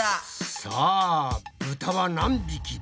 さあブタは何匹だ？